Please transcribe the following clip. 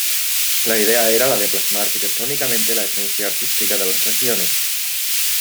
La idea era la de plasmar arquitectónicamente la esencia artística de las regiones.